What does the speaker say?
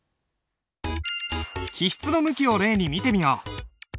起筆の向きを例に見てみよう。